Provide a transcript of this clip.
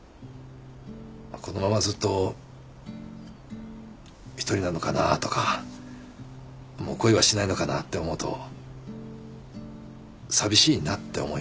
このままずっと一人なのかなとかもう恋はしないのかなって思うと寂しいなって思います。